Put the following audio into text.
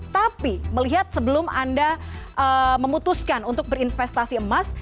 tapi melihat sebelum anda memutuskan untuk berinvestasi emas